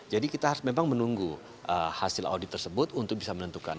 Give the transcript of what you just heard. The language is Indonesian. jadi kita memang harus menunggu hasil audit tersebut untuk bisa menentukan